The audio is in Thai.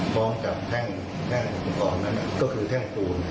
พร้อมกับแท่งอุปกรณ์นั้นก็คือแท่งภูมิ